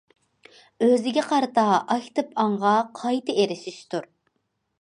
ئۆزىگە قارىتا ئاكتىپ ئاڭغا قايتا ئېرىشىشتۇر.